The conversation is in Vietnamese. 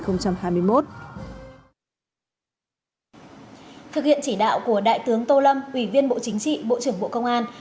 thực hiện chỉ đạo của đại tướng tô lâm ủy viên bộ chính trị bộ trưởng bộ công an